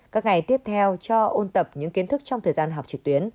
các ngày tiếp theo cho ôn tập những kiến thức trong thời gian học trực tuyến